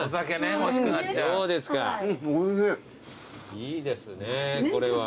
いいですねこれは。